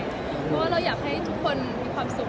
เพราะว่าเราอยากให้ทุกคนมีความสุข